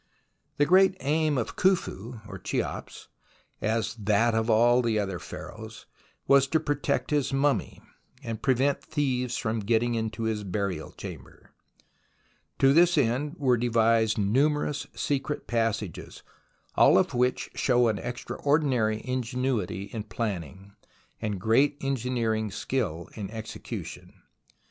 The great aim of Khufu, or Cheops, as that of all the other Pharaohs, was to protect his mummy, and prevent thieves getting into his burial chamber. To this end were devised numerous secret passages, all of which show an extraordinary ingenuity in planning, and great engineering skill in execution.